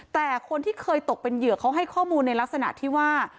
แต่คนที่เคยตกเป็นเหยื่อเขาให้ข้อมูลในลักษณะที่ว่า